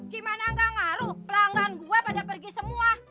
gimana gak ngaruh pelanggan gue pada pergi semua